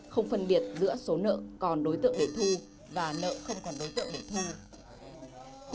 không phân biệt giữa số nợ còn đối tượng để thu và nợ không còn đối tượng để thu